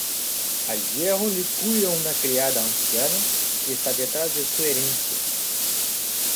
Al viejo lo cuida una criada anciana que está detrás de su herencia.